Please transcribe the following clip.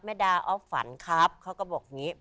ดาออฟฝันครับเขาก็บอกอย่างนี้